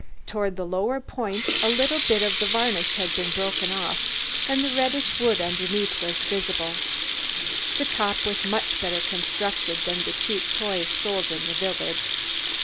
Towards the lower point a little bit of the varnish had been broken off and the reddish wood underneath was visible. The top was much better constructed than the cheap toys sold in the village.